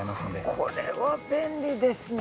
これは便利ですね。